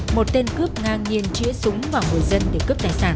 một tên cướp ngang nhiên chữa súng vào người dân để cướp tài sản